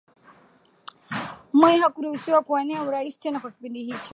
Moi hakuruhusiwa kuwania urais tena kwa kipindi hicho